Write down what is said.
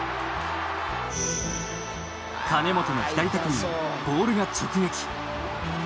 金本の左手首にボールが直撃。